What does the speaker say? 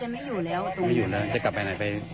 ไม่อยู่แล้วจะกลับไปไหน